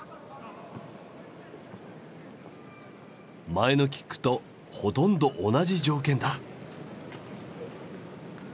前のキックとほとんど同じ条件だ。